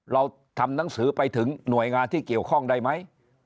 เราทำหนังสือไปถึงหน่วยงานที่เกี่ยวข้องได้ไหม